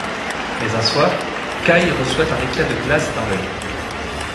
Mais un soir, Kai reçoit un éclat de glace dans l'œil.